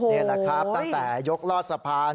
นี่แหละครับตั้งแต่ยกลอดสะพาน